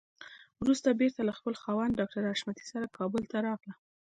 وروسته بېرته له خپل خاوند ډاکټر حشمتي سره کابل ته راغله.